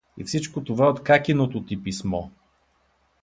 — И всичко това от какиното ти писмо.